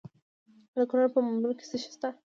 د کونړ په مروره کې څه شی شته؟